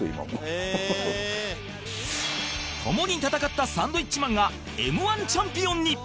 共に戦ったサンドウィッチマンが Ｍ−１ チャンピオンに